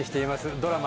ドラマ